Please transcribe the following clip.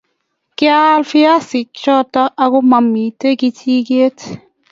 kaal viasik choto agomamiten kijiket